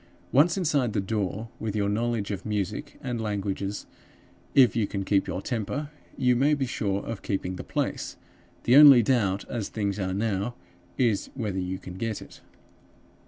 Once inside the door, with your knowledge of music and languages, if you can keep your temper, you may be sure of keeping the place. The only doubt, as things are now, is whether you can get it.